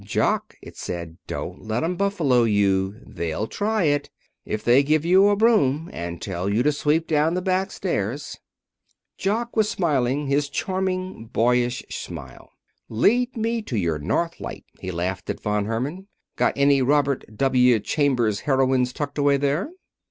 "Jock," it said, "don't let 'em buffalo you. They'll try it. If they give you a broom and tell you to sweep down the back stairs " Jock was smiling his charming, boyish smile. "Lead me to your north light," he laughed at Von Herman. "Got any Robert W. Chambers's heroines tucked away there?"